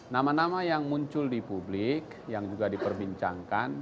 nama nama yang muncul di publik yang juga diperbincangkan